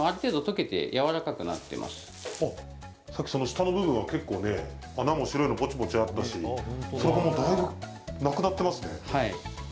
その下の部分は結構ね穴も白いポツポツあったしそこもだいぶなくなってますね。